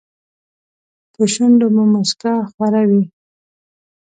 په شونډو مو موسکا خوره وي .